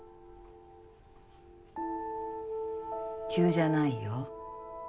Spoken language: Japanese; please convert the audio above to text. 急じゃないよ。